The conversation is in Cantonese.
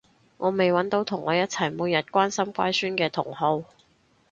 我未搵到同我一齊每日關心乖孫嘅同好